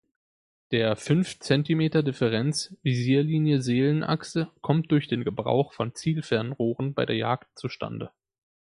Der fünf Zentimeter-Differenz Visierlinie-Seelenachse kommt durch den Gebrauch von Zielfernrohren bei der Jagd zustande.